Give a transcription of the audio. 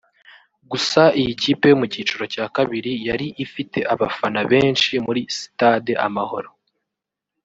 Gusa iyi kipe yo mu cyiciro cya kabiri yari ifite abafana benshi muri Stade Amahoro